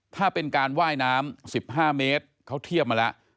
ถ้าเป็นการว่ายน้ำ๑๕เมตรเขาเทียบมาแล้ว